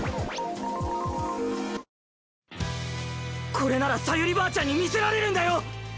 これなら小百合ばあちゃんに見せられるんだよ。